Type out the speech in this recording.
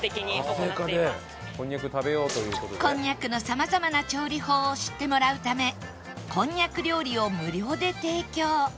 こんにゃくの様々な調理法を知ってもらうためこんにゃく料理を無料で提供